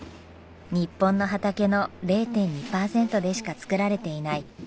日本の畑の０．２パーセントでしか作られていない